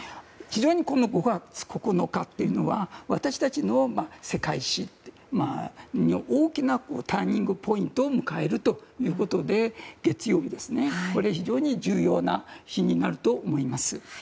非常に５月９日というのは私たちの世界史に大きなターニングポイントを迎えるということで月曜日、非常に重要な日になると思います。